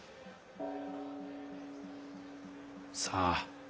さあ。